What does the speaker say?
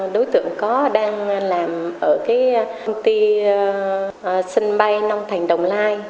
đối tượng đang làm ở công ty sân bay long thành đồng nai